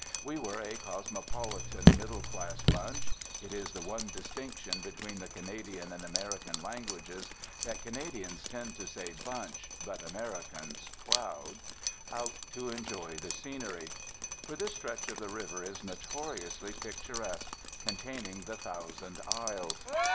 We were a cosmopolitan, middle class bunch (it is the one distinction between the Canadian and American languages that Canadians tend to say 'bunch' but Americans 'crowd'), out to enjoy the scenery. For this stretch of the river is notoriously picturesque, containing the Thousand Isles.